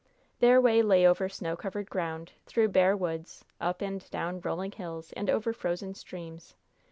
Their way lay over snow covered ground, through bare woods, up and down rolling hills, and over frozen streams.